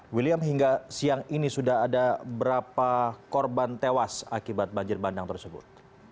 william hingga siang ini sudah ada berapa korban tewas akibat banjir bandang tersebut